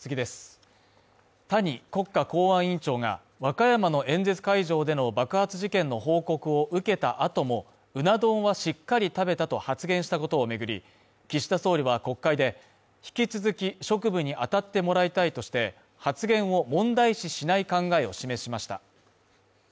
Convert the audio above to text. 谷国家公安委員長が、和歌山の演説会場での爆発事件の報告を受けた後も、うな丼はしっかり食べたと発言したことを巡り岸田総理は国会で、引き続き職務にあたってもらいたいとして、発言を問題視しない考えを示しました。